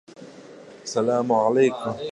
له بې وزلو سره مرسته وکړئ.